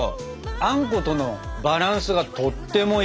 あんことのバランスがとってもいい。